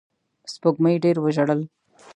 سپوږمۍ ډېر وژړل